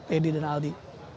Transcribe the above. jadi dan aldi